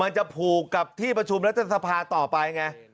มันจะผูกกับที่ประชุมรัฐศาสตร์สภาต่อไปไง